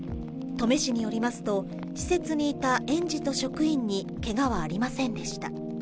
登米市によりますと、施設にいた園児と職員にけがはありませんでした。